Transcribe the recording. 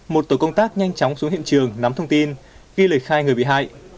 một tổ công tác nhanh chóng xuống hiện trường nắm thông tin ghi lời khai người bị hại